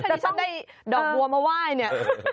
ถ้าฉันได้ดอกบัวมาไหว้เนี่ย